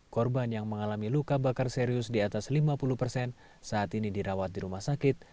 korban yang mengalami luka bakar serius di atas lima puluh persen saat ini dirawat di rumah sakit